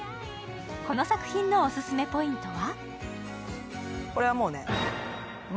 この作品のオススメポイントは？